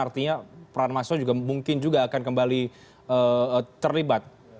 artinya peran mahasiswa juga mungkin juga akan kembali terlibat